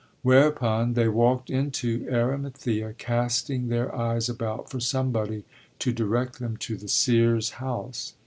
Whereupon they walked into Arimathea, casting their eyes about for somebody to direct them to the seer's house.